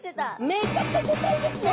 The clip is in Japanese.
めちゃくちゃでかいですね！